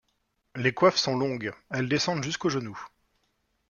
Les coiffes sont longues, elles descendent jusqu'aux genoux.